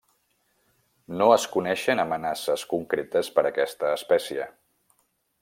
No es coneixen amenaces concretes per aquesta espècie.